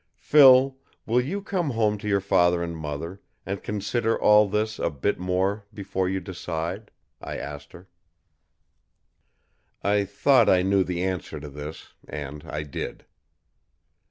"Phil, will you come home to your father and mother, and consider all this a bit more before you decide?" I asked her. I thought I knew the answer to this, and I did.